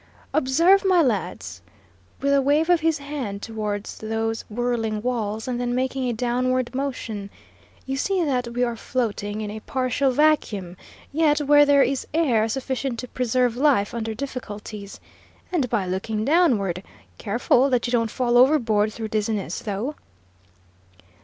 "Observe, my lads," with a wave of his hand towards those whirling walls, and then making a downward motion. "You see that we are floating in a partial vacuum, yet where there is air sufficient to preserve life under difficulties. And by looking downward careful that you don't fall overboard through dizziness, though!"